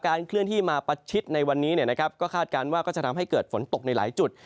เคลื่อนที่มาประชิดในวันนี้ก็คาดการณ์ว่าก็จะทำให้เกิดฝนตกในหลายจุด